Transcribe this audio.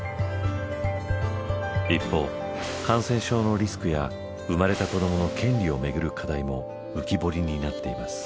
一方感染症のリスクや生まれた子どもの権利を巡る課題も浮き彫りになっています。